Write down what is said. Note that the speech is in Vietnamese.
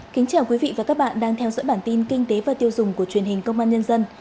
kính chào quý vị và các bạn đang theo dõi bản tin kinh tế và tiêu dùng của truyền hình công an nhân dân